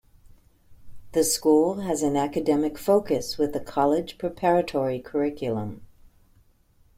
The school has an academic focus with a college preparatory curriculum.